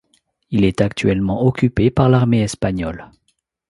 Il est actuellement occupé par l'armée espagnole.